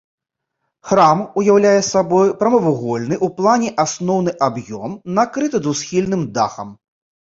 Храм уяўляе сабой прамавугольны ў плане асноўны аб'ём накрыты двухсхільным дахам.